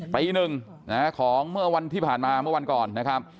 ปีหนึ่งของเมื่อวันที่ผ่านมาเมื่อวันก่อนนะครับ